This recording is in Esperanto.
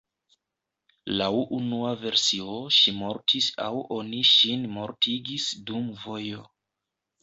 Laŭ unua versio ŝi mortis aŭ oni ŝin mortigis dum vojo.